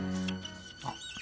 あっ。